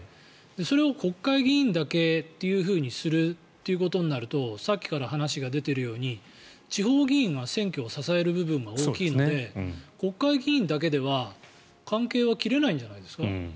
それを国会議員だけというふうにするということになるとさっきから話が出ているように地方議員が選挙を支える部分が大きいので国会議員だけでは、関係は切れないんじゃないですか。